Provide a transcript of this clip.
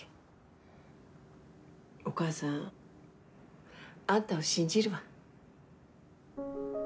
お母さんあんたを信じるわ。